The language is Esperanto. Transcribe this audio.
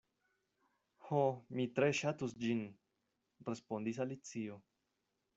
"Ho, mi tre ŝatus ĝin," respondis Alicio.